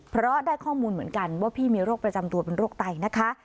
เพราะได้ข้อมูลเหมือนกันว่าพี่มีโรคประจำตัวเป็นโรคไตนะคะ